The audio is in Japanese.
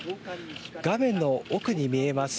画面の奥に見えます